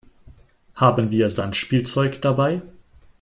Haben wir Sandspielzeug dabei?